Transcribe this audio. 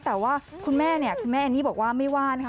แต่ว่าคุณแม่เนี่ยคุณแม่แอนนี่บอกว่าไม่ว่านะคะ